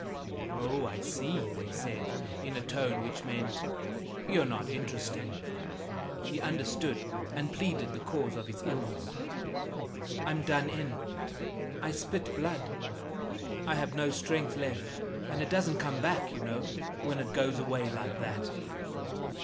"Oh, I see!" they said, in a tone which meant "You're not interesting." He understood, and pleaded the cause of his illness: "I'm done in, I spit blood. I've no strength left, and it doesn't come back, you know, when it goes away like that."